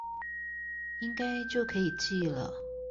應該就可以寄了